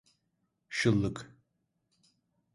Şıllık!